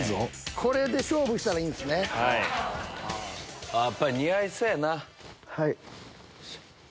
これで勝負したらいいんですやっぱり似合いそうやな。